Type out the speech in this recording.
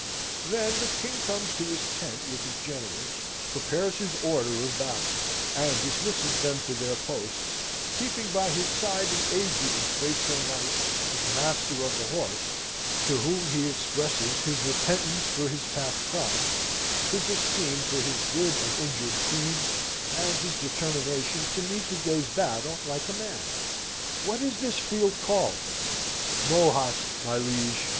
Then the King comes to his tent with his generals, prepares his order of battle; and dismisses them to their posts, keeping by his side an aged and faithful knight, his master of the horse, to whom he expresses his repentance for his past crimes, his esteem for his good and injured Queen, and his determination to meet the day's battle like a man. "What is this field called?" "Mohacz, my liege!"